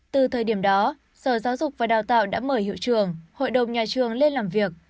từ thời điểm đó sở giáo dục và đào tạo đã mở hiệu trường hội đồng nhà trường lên làm việc